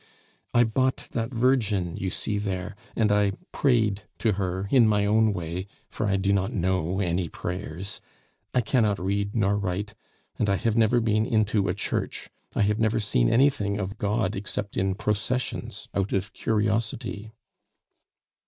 I bought that Virgin you see there, and I prayed to her in my own way, for I do not know any prayers; I cannot read nor write, and I have never been into a church; I have never seen anything of God excepting in processions, out of curiosity."